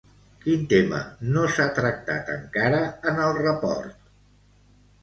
Quin tema no s'ha tractat encara en el report?